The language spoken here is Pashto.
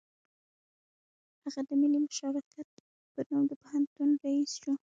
هغه د ملي مشارکت په نوم د پوهنتون رییس شو